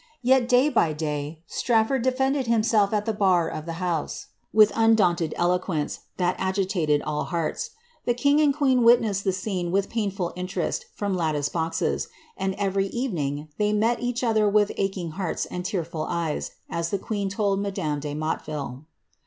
Yet, day by day, Straflford defended himself at the bar of the house, with un daunted eloquence, that agitated all hearts. The king and queen wit nessed the scene with painful interest from latticed boxes ; and every evening they met each other with aching iiearts and tearful eyes, as the quern told madame de Motteville.'